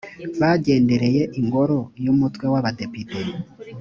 bagendereye ingoro y umutwe w abadepite